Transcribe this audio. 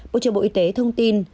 bộ trưởng bộ y tế thông tin